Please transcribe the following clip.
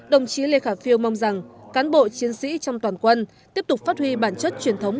đồng chí lê khả phiêu mong rằng cán bộ chiến sĩ trong toàn quân tiếp tục phát huy bản chất truyền thống